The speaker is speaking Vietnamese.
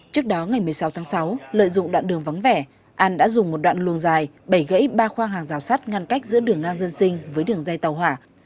trước đó ngày một mươi sáu tháng sáu lợi dụng đoạn đường vắng vẻ an đã dùng một đoạn luồng dài bảy gãy ba khoang hàng rào sắt ngăn cách giữa đường ngang dân sinh với đường dây tàu hỏa